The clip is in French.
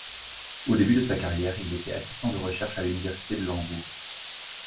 Au début de sa carrière, il était assistant de recherche à l'Université de Hambourg.